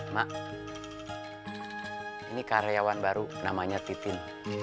mak ini karyawan baru namanya titin